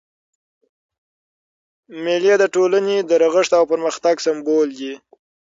مېلې د ټولني د رغښت او پرمختګ سمبول دي.